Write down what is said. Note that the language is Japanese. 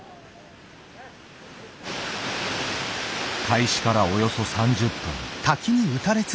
開始からおよそ３０分。